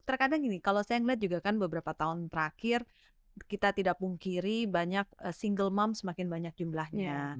terkadang gini kalau saya melihat juga kan beberapa tahun terakhir kita tidak pungkiri banyak single mom semakin banyak jumlahnya